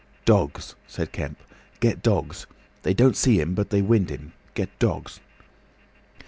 "Dogs," said Kemp. "Get dogs. They don't see him, but they wind him. Get dogs."